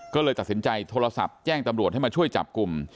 ก็เลยตัดสินใจโทรศัพท์แจ้งตำรวจให้มาช่วยจับกลุ่ม